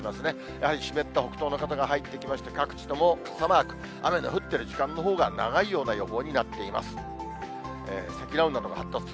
やはり湿った北東の風が入ってきまして、各地とも傘マーク、雨の降っている時間のほうが長いような予報になっています。